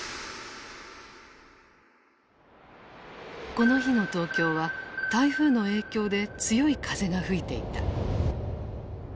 この日の東京は台風の影響で強い風が吹いていた。